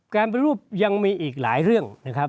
การปฏิรูปยังมีอีกหลายเรื่องนะครับ